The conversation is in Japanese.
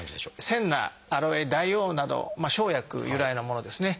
センナアロエ大黄など生薬由来のものですね。